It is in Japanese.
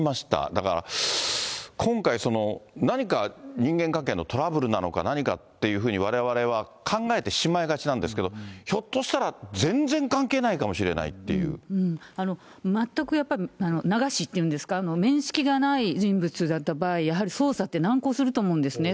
だから、今回、何か人間関係のトラブルなのか、何かっていうふうにわれわれは考えてしまいがちなんですけど、ひょっとしたら、全くやっぱり、流しっていうんですか、面識がない人物だった場合、やはり捜査って難航すると思うんですね。